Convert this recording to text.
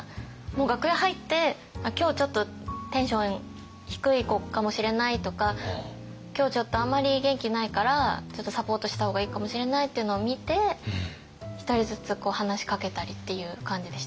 楽屋入って今日ちょっとテンション低い子かもしれないとか今日ちょっとあんまり元気ないからちょっとサポートした方がいいかもしれないっていうのを見てひとりずつ話しかけたりっていう感じでした。